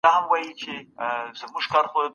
زموږ کلتور زموږ د هویت استازیتوب کوي.